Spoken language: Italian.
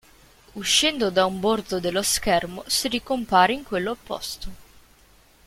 Uscendo da un bordo dello schermo si ricompare in quello opposto.